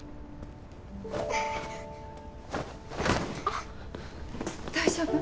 あっ大丈夫？